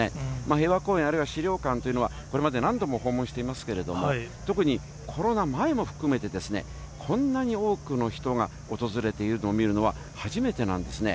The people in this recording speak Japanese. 平和公園、あるいは資料館というのは、これまで何度も訪問していますけれども、特にコロナ前も含めてこんなに多くの人が訪れているのを見るのは、初めてなんですね。